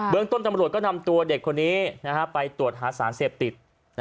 เมืองต้นตำรวจก็นำตัวเด็กคนนี้ไปตรวจหาสารเสพติด